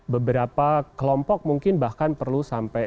beberapa kelompok mungkin bahkan perlu sampai